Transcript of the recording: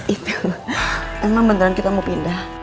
itu emang beneran kita mau pindah